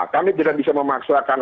kami tidak bisa memaksakan